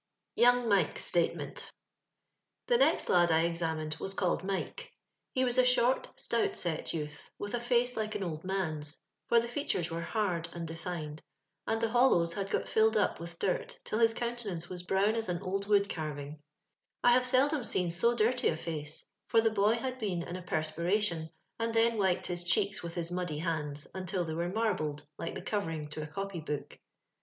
'' Touiio 100*8 Summr. Tia next lad I examined waa ealled Mike, He waa a Bhort» atoat wt Toath, with a fooe like an old man's, for the foatnrea were hard and defined, and the boUowB had got filled up iritti dirt till hit eoantenanee waa brown m an old wood eaning. I have aeldom seen to dirtj a fooe, for the boy had been in a pernir. atioL and then wiped hia oheeka with nia moddj handa, nntil thegr were marbled, like the oorering to a eopj'book.